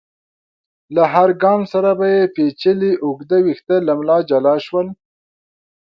له هر ګام سره به يې پيچلي اوږده ويښته له ملا جلا شول.